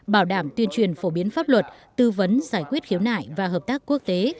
bảo đảm tuyên truyền phổ biến pháp luật tư vấn giải quyết khiếu nại và hợp tác quốc tế